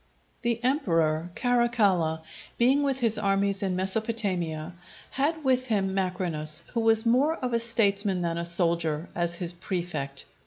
The Emperor Caracalla, being with his armies in Mesopotamia, had with him Macrinus, who was more of a statesman than a soldier, as his prefect.